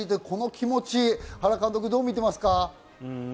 この気持ち、原監督どう見ていますか？